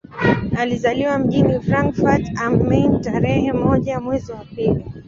Alizaliwa mjini Frankfurt am Main tarehe moja mwezi wa pili